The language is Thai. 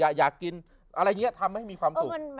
อะไรแบบนี้ทำให้มีความสุข